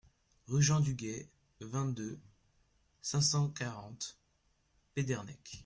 Rue Jean Dugay, vingt-deux, cinq cent quarante Pédernec